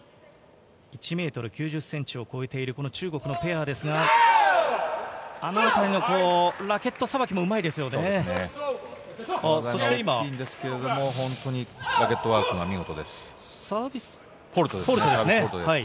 １ｍ９０ｃｍを超えてる中国のペアですが、あのあたりのラケットさばきもうまいですよね。